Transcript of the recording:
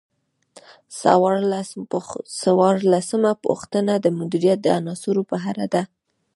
څوارلسمه پوښتنه د مدیریت د عناصرو په اړه ده.